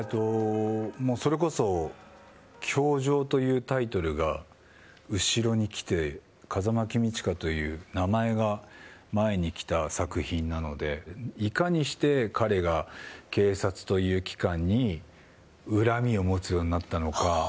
それこそ「教場」というタイトルが後ろに来て風間公親という名前が前に来た作品なのでいかにして彼が警察という機関に恨みを持つようになったのか。